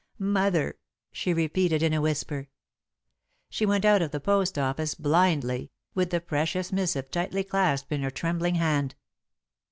"Mother!" she repeated, in a whisper. She went out of the post office blindly, with the precious missive tightly clasped in her trembling hand.